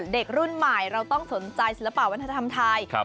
เด็กรุ่นใหม่เราต้องสนใจศิลปะวัฒนธรรมไทย